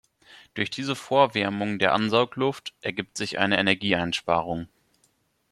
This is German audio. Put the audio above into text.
Durch diese Vorwärmung der Ansaugluft ergibt sich eine Energieeinsparung.